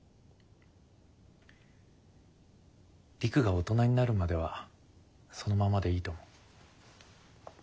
璃久が大人になるまではそのままでいいと思う。